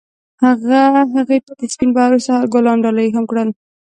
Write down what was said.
هغه هغې ته د سپین سهار ګلان ډالۍ هم کړل.